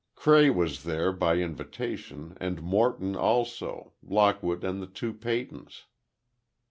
Cray was there, by invitation, and Morton also. Lockwood and the two Peytons.